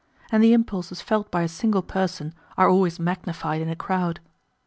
And the impulses felt by a single person are always magnified in a crowd.